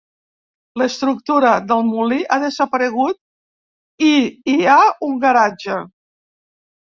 L'estructura del molí ha desaparegut i hi ha un garatge.